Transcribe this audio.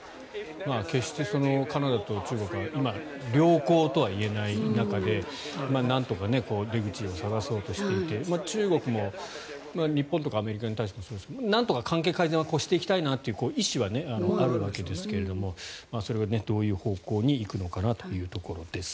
決してカナダと中国は今、良好とはいえないなかでなんとか出口を探そうとしていて中国も日本とかアメリカに対してもそうですが関係改善をしていきたいなっていう意思はあるわけですがそれがどういう方向に行くのかなというところです。